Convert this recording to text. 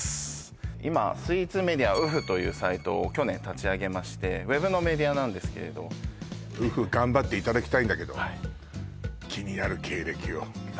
今スイーツメディア「ｕｆｕ．」というサイトを去年立ち上げましてウェブのメディアなんですけれど「ｕｆｕ．」頑張っていただきたいんだけど気になる経歴よ